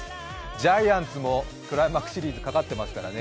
ジャイアンツもクライマックスシリーズかかっていますからね。